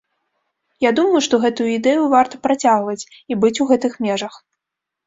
Я думаю, што гэтую ідэю варта працягваць і быць у гэтых межах.